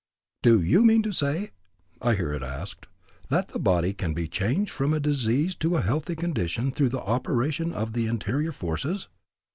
"Do you mean to say," I hear it asked, "that the body can be changed from a diseased to a healthy condition through the operation of the interior forces?"